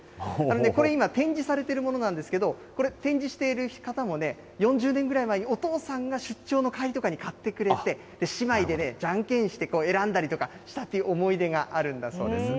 これ、今展示されているものなんですけれども、これ、展示している方もね、４０年ぐらい前に、お父さんが出張の帰りとかに買ってくれて、姉妹でね、じゃんけんして、選んだりとかしたっていう思い出があるんだそうです。